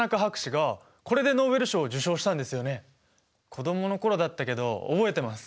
子供の頃だったけど覚えてます。